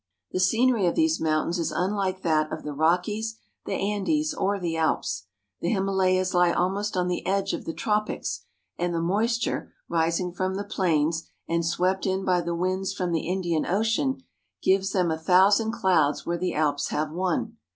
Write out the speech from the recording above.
The scenery of these mountains is unlike that of the Rockies, the Andes, or the Alps. The Himalayas lie almost on the edge of the tropics, and the moisture, rising from the plains and swept in by the winds from the Indian Ocean, gives them a thousand clouds where the Alps have one.